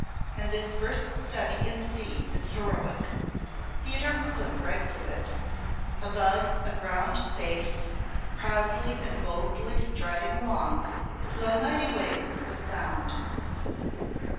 And this first study in C is heroic. Theodore Kullak writes of it: "Above a ground bass proudly and boldly striding along, flow mighty waves of sound.